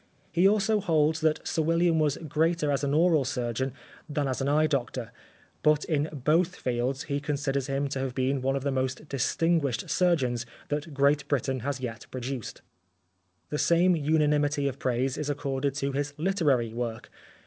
He also holds that Sir WiUiam was greater as an aural surgeon than as an e^/e doctor, but in both fields he considers him to have been one of the most distinguished surgeons that Great Britain has yet produced. The same unanimity of praise is accorded to his hterary work.